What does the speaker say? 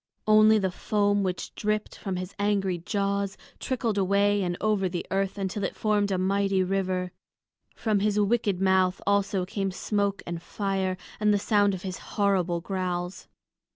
Only the foam which dripped from his angry jaws trickled away and over the earth until it formed a mighty river; from his wicked mouth also came smoke and fire, and the sound of his horrible growls.